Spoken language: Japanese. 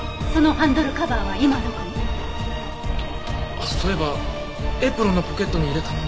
あっそういえばエプロンのポケットに入れたまま。